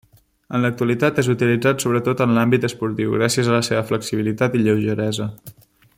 En l'actualitat és utilitzat sobretot en l'àmbit esportiu gràcies a la seva flexibilitat i lleugeresa.